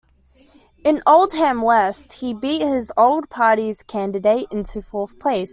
In Oldham West he beat his old party's candidate into fourth place.